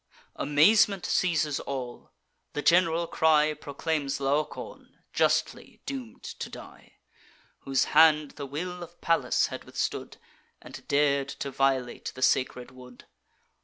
Amazement seizes all; the gen'ral cry Proclaims Laocoon justly doom'd to die, Whose hand the will of Pallas had withstood, And dared to violate the sacred wood.